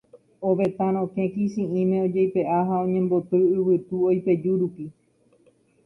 ovetã rokẽ kichi'ĩme ojeipe'a ha oñemboty yvytu oipeju rupi